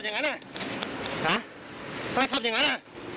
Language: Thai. ชนผมอ่ะแต่ชนผมอ่ะ